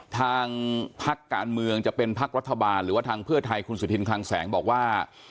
ทางพักการเมืองจะเป็นพักรัฐบาลหรือว่าทางเพื่อไทยคุณสุธินคลังแสงบอกว่า